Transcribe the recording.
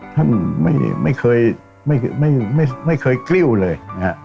ท่านไม่เคยกลิ้วเลย